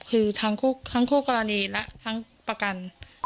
คือทั้งคู่กรณีและทั้งประกัน